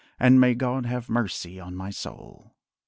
And may God have mercy on my soul.